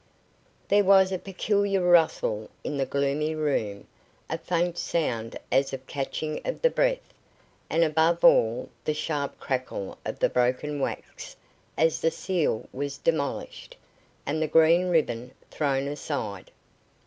There was a peculiar rustle in the gloomy room, a faint sound as of catching of the breath, and above all the sharp crackle of the broken wax as the seal was demolished, and the green ribbon thrown aside.